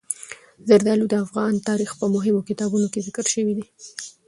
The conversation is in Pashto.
زردالو د افغان تاریخ په مهمو کتابونو کې ذکر شوي دي.